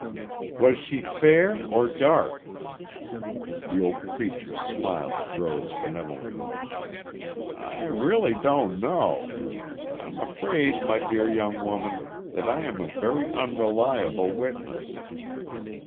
"Was she fair or dark?" The old preacher smiled at Rose benevolently. "I really don't know. I'm afraid, my dear young woman, that I'm a very unreliable witness."